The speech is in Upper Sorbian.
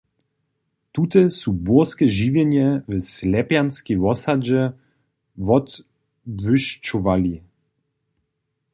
Tute su burske žiwjenje w Slepjanskej wosadźe wotbłyšćowali.